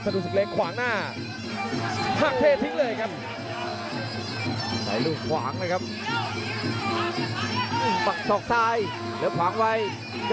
กระโดยสิ้งเล็กนี่ออกกันขาสันเหมือนกันครับ